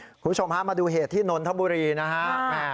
คุณผู้ชมฮะมาดูเหตุที่นนทบุรีนะฮะ